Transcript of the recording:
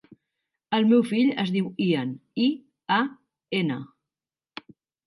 El meu fill es diu Ian: i, a, ena.